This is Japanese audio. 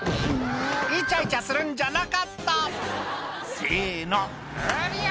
イチャイチャするんじゃなかった「せのうりゃ！」